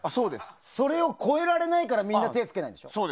それを超えられないからみんな手をつけないんでしょ。